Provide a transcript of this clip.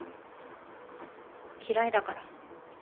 嫌いだから。